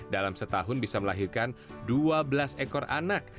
dalam setahun bisa melahirkan dua belas ekor anak